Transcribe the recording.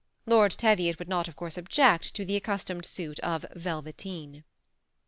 Lord Teviot would not of course ob jjBct to the accustomed suit of velveteen.